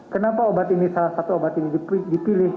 kenapa obat ini salah satu obat ini dipilih